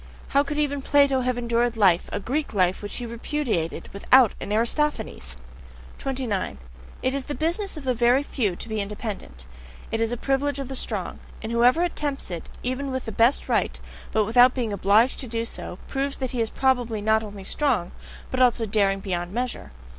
How could even Plato have endured life a Greek life which he repudiated without an Aristophanes! 29. It is the business of the very few to be independent; it is a privilege of the strong. And whoever attempts it, even with the best right, but without being OBLIGED to do so, proves that he is probably not only strong, but also daring beyond measure.